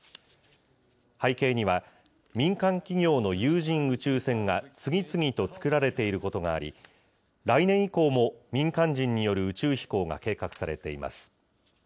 背景には、民間企業の有人宇宙船が次々と造られていることがあり、来年以降も民間人による宇宙飛行が計画されています。